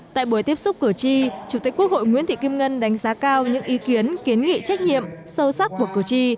tại buổi tiếp xúc cử tri chủ tịch quốc hội nguyễn thị kim ngân đánh giá cao những ý kiến kiến nghị trách nhiệm sâu sắc của cử tri